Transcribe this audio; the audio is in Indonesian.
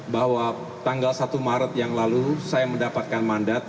bahwa tanggal satu maret yang lalu saya mendapatkan mandat